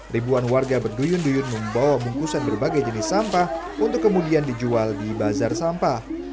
ribuan warga berduyun duyun membawa bungkusan berbagai jenis sampah untuk kemudian dijual di bazar sampah